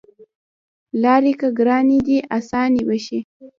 لاری که ګرانې دي اسانې به شي